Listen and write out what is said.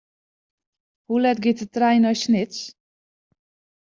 Hoe let giet de trein nei Snits?